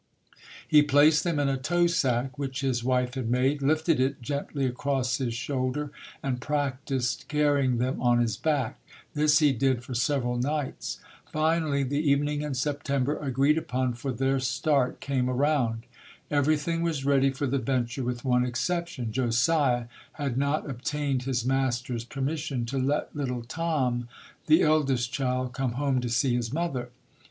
He placed them in a tow sack which his wife had made, lifted it gen tly across his shoulder and practiced carrying them on his back. This he did for several nights. Finally the evening in September agreed upon 202 ] UNSUNG HEROES for their start came around. Everything was ready for the venture with one exception Josiah had not obtained his master's permission to let little Tom, the eldest child, come home to see his mother.